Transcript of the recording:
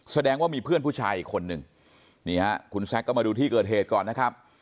แสดงว่ามีเพื่อนผู้ชายอีกคนนึงนี่ฮะคุณแซคก็มาดูที่เกิดเหตุก่อนนะครับ